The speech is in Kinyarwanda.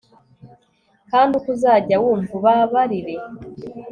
kandi uko uzajya wumva, ubabarire